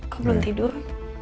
kok belum tidur